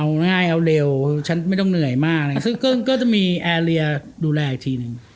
เอาง่ายเอาเร็วฉันไม่ต้องเหนื่อยมากอะไรซึ่งก็ก็จะมีแอร์เรียดูแลอีกทีหนึ่ง